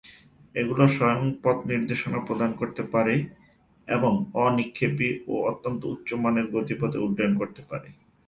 এগুলি স্বয়ং-পথনির্দেশনা প্রদান করতে পারে এবং অ-নিক্ষেপী ও অত্যন্ত নিম্ন উচ্চতার গতিপথে উড্ডয়ন করতে পারে।